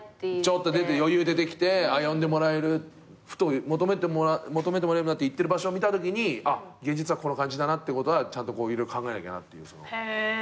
ちょっと余裕出てきて呼んでもらえるふと求めていってる場所を見たときに現実はこの感じだなってことはちゃんと考えなきゃなっていう。